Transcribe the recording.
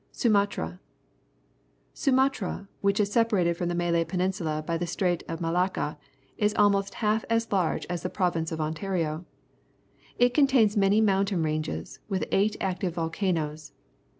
Sumatra. — Sumatra, which is separated from the Malay Peninsula by the Strait of Malacca, is almost half as large as the prov ince of Ontario. It contains many moun tain ranges, with eight active volcanoes.